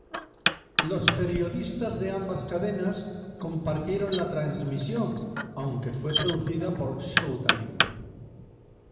Los periodistas de ambas cadenas compartieron la transmisión, aunque fue producida por Showtime.